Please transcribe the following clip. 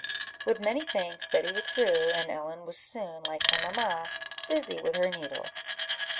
With many thanks, Betty withdrew, and Ellen was soon, like her mamma, busy with her needle.